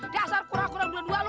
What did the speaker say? dasar kurang kurang dua dua lo